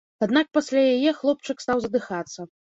Аднак пасля яе хлопчык стаў задыхацца.